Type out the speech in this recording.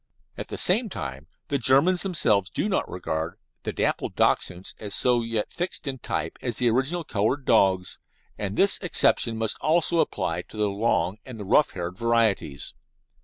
At the same time the Germans themselves do not regard the dapple Dachshunds as yet so fixed in type as the original coloured dogs, and this exception must also apply to the long and the rough haired varieties.